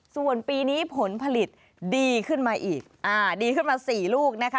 ส่วนปีนี้ผลผลิตดีขึ้นมาอีกดีขึ้นมา๔ลูกนะคะ